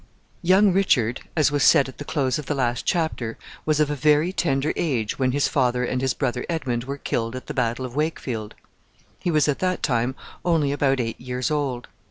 Young Richard, as was said at the close of the last chapter, was of a very tender age when his father and his brother Edmund were killed at the battle of Wakefield. He was at that time only about eight years old.